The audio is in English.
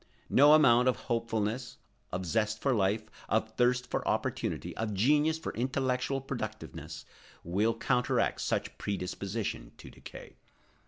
No amount of hopefulness, of zest for life, of thirst for opportunity, of genius for intellectual productiveness will counteract such predisposition to decay.